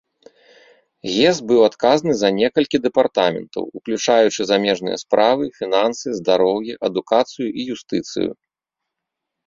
Гес быў адказны за некалькі дэпартаментаў, уключаючы замежныя справы, фінансы, здароўе, адукацыю і юстыцыю.